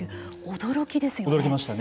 驚きですよね。